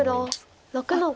黒６の五。